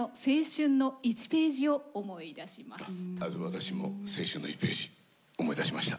私も青春の１ページ思い出しました。